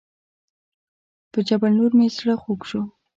پر جبل النور مې زړه خوږ شو.